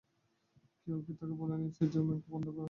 কেউ কি তাকে বলেনি যে ডোমেইন বন্ধ করা হয়েছে?